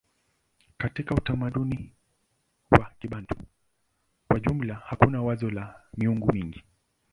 Katika utamaduni wa Kibantu kwa jumla hakuna wazo la miungu mingi.